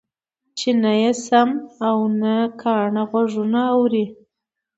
چې نه يې سم او نه کاڼه غوږونه اوري.